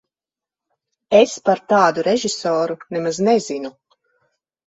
Es par tādu režisoru nemaz nezinu.